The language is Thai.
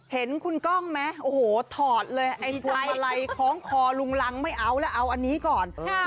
เห็นคุณกล้องไหมโอ้โหถอดเลยไอ้พวงมาลัยคล้องคอลุงรังไม่เอาแล้วเอาอันนี้ก่อน